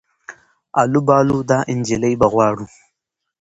آلو بالو دا انجلۍ به غواړو